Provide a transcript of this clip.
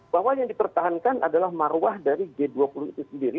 bahwa yang dipertahankan adalah marwah dari g dua puluh itu sendiri